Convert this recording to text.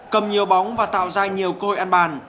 cầm nhiều bóng và tạo ra nhiều cơ hội ăn bàn